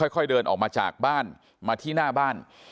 ค่อยเดินออกมาจากบ้านมาที่หน้าบ้าน